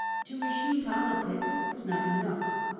To eschew politics was not enough.